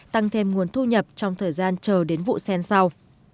tăng thêm nguồn thu nhập trong thời gian chờ đến vụ sen sau